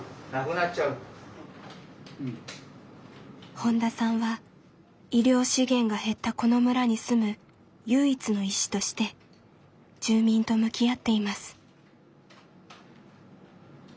本田さんは医療資源が減ったこの村に住む唯一の医師として住民と向き合っています。